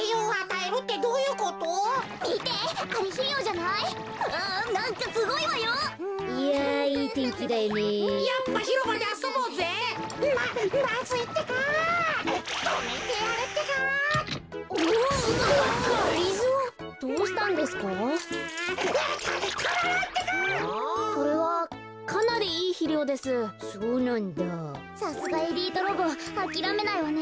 あきらめないわね。